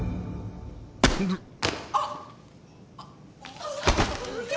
あっ。